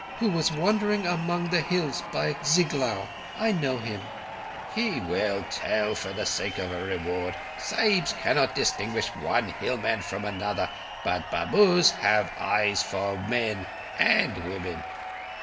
who was wandering among the hills by Ziglaur. I know him." "He will tell for the sake of a reward. Sahibs cannot distinguish one hillman from another, but Babus have eyes for men—and women."